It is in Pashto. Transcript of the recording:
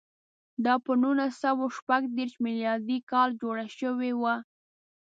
دا پر نولس سوه شپږ دېرش میلادي کال جوړه شوې وه.